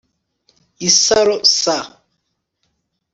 isaro s